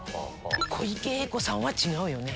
小池栄子さんは違うよね。